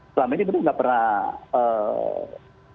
selama ini beliau nggak pernah